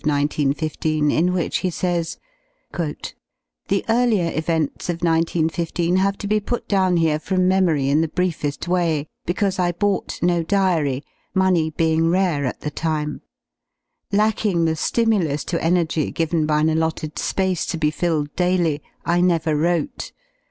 1915 in tvhich he says: ''''The earlier events 5/ 1 9 1 5 have to be put down herefrom memory in the briefest tvay^ because I bought no diary ^ money being rare at the time. Lacking the stimulus to energy given by an allotted space to be filled daily y I never wrote.